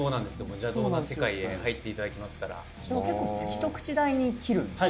邪道な世界へ入っていただきますからでも結構一口大に切るんですね